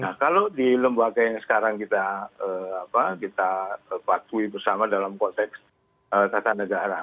nah kalau di lembaga yang sekarang kita patuhi bersama dalam konteks tata negara